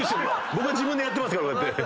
僕は自分でやってますから。